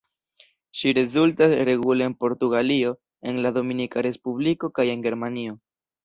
Ŝi rezultas regule en Portugalio, en la Dominika Respubliko kaj en Germanio.